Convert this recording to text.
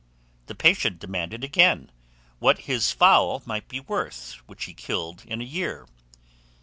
The patient demanded again, what his fowl might be worth which he killed in a year?